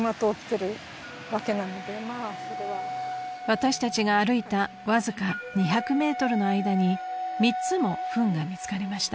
［私たちが歩いたわずか２００ｍの間に３つもふんが見つかりました］